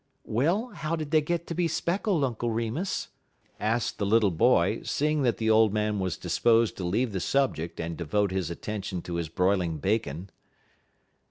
"Well, how did they get to be speckled, Uncle Remus?" asked the little boy, seeing that the old man was disposed to leave the subject and devote his attention to his broiling bacon.